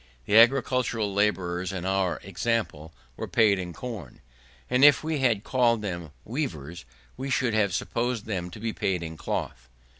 The agricultural labourers, in our example, were paid in corn, and if we had called them weavers, we should have supposed them to be paid in cloth.